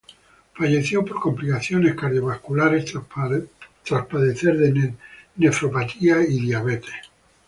Falleció por complicaciones cardiovasculares tras padecer de nefropatía y diabetes.